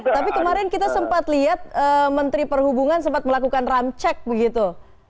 tapi kemarin kita sempat lihat menteri perhubungan sempat melakukan ramcek begitu